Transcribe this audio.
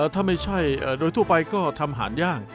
ถ้าไม่ใช่โดยทั่วไปก็ทำอาหารย่าง